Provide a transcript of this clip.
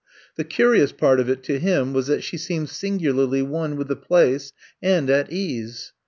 The curious part of it to him was that she seemed singularly one with the place and at ease.